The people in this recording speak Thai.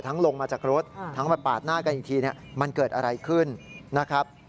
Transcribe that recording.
ลงมาจากรถทั้งมาปาดหน้ากันอีกทีเนี่ยมันเกิดอะไรขึ้นนะครับ